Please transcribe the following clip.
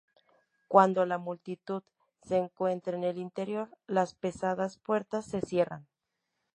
Cuando la multitud se encuentra en el interior, las pesadas puertas se cierran.